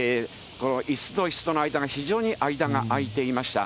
いすといすとの間が、非常に間が空いていました。